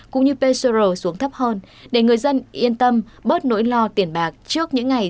cũng như pcr xuống thấp hơn để người dân yên tâm bớt nỗi lo tiền bạc trước những ngày